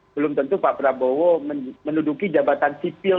belum tentu pak prabowo menduduki jabatan sipil